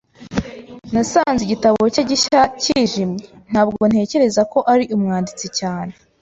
Nasanze igitabo cye gishya kijimye. Ntabwo ntekereza ko ari umwanditsi cyane.